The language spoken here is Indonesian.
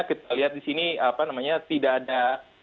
kita lihat disini tidak ada